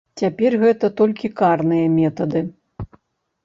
Цяпер гэта толькі карныя метады.